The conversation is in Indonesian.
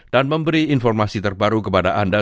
dan memberi informasi terbaru kepada anda